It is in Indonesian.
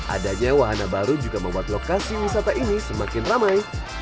adanya wahana baru juga membuat lokasi wisata ini semakin ramai